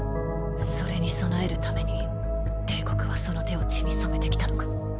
それに備えるために帝国はその手を血に染めてきたのか。